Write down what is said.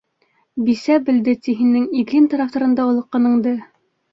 Бисә белде ти һинең Иглин тарафтарына олаҡҡаныңды.